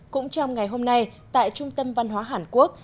cũng trong ngày hôm nay tại trung tâm văn hóa hàn quốc